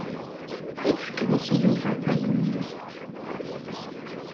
I tefkeḍ-as i Yuba talemmiẓt?